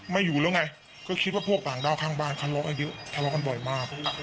ไม่อยู่แล้วไงก็คิดว่าพวกต่างด้าวข้างบ้านทะเลาะกันเยอะทะเลาะกันบ่อยมาก